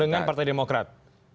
dengan partai demokrat